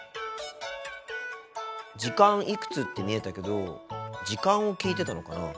「時間いくつ」って見えたけど時間を聞いてたのかな？